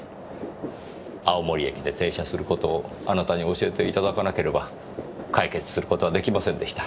青森駅で停車する事をあなたに教えて頂かなければ解決する事は出来ませんでした。